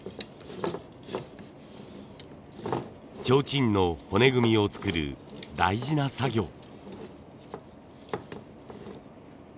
ちょうちんの骨組みを作る大事な作業。